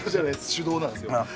手動なんですよ。